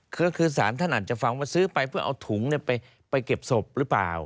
คือสารท่านอาจจะฟังว่าซื้อไปเพื่อเอาถุงไปเก็บศพหรือเปล่า